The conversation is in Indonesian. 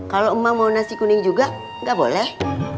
kalau emak mau nasi kuning juga nggak boleh